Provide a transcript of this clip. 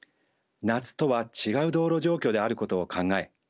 夏とは違う道路状況であることを考え